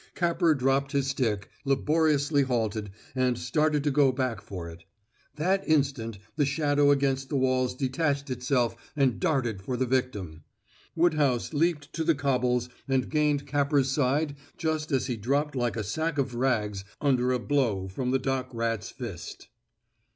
Capper dropped his stick, laboriously halted, and started to go back for it. That instant the shadow against the walls detached itself and darted for the victim. Woodhouse leaped to the cobbles and gained Capper's side just as he dropped like a sack of rags under a blow from the dock rat's fist.